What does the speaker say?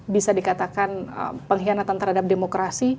bisa dikatakan pengkhianatan terhadap demokrasi